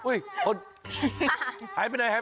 อุ๊ยหายไปไหน